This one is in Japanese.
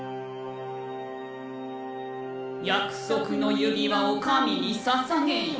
約束の指輪を神にささげよ。